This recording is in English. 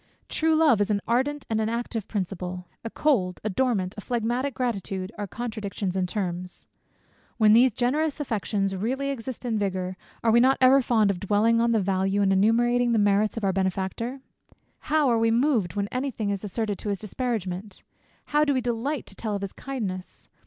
True love is an ardent, and an active principle a cold, a dormant, a phlegmatic gratitude, are contractions in terms. When these generous affections really exist in vigour, are we not ever fond of dwelling on the value, and enumerating the merits of our benefactor? How are we moved when any thing is asserted to his disparagement! How do we delight to tell of his kindness!